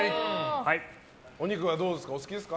お肉はどうですか？